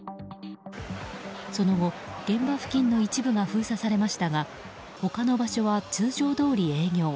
その後、現場付近の一部が封鎖されましたが他の場所は通常どおり営業。